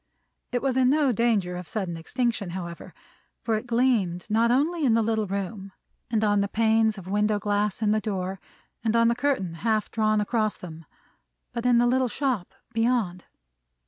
It was in no danger of sudden extinction, however; for it gleamed not only in the little room, and on the panes of window glass in the door, and on the curtain half drawn across them, but in the little shop beyond.